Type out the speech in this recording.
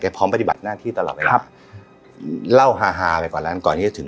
แกพร้อมปฏิบัติหน้าที่ตลอดไปแล้วครับเล่าฮาฮาไปก่อนแล้วก่อนก่อนที่จะถึง